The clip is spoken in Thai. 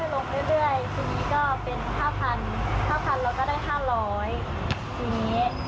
ทีนี้ก็เป็นห้าพันห้าพันเราก็ได้ห้าร้อยทีนี้